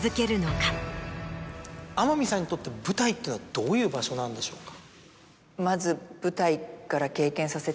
天海さんにとって舞台っていうのはどういう場所なんでしょうか？